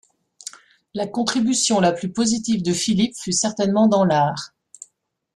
La contribution la plus positive de Philippe fut certainement dans l'art.